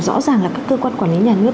rõ ràng là các cơ quan quản lý nhà nước